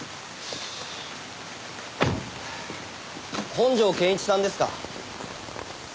本条健一さんですか？